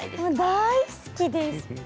大好きです。